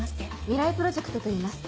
未来プロジェクトといいます。